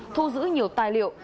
thu giữ nhiều tài liệu